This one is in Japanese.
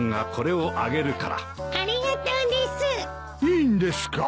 いいんですか？